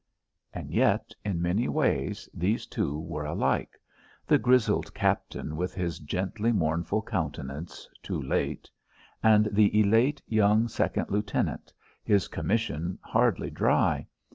And yet in many ways these two were alike; the grizzled captain with his gently mournful countenance "Too late" and the elate young second lieutenant, his commission hardly dry.